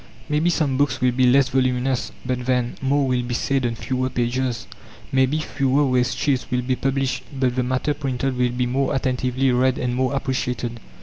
Maybe some books will be less voluminous; but then, more will be said on fewer pages. Maybe fewer waste sheets will be published; but the matter printed will be more attentively read and more appreciated.